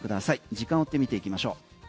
時間を追って見ていきましょう。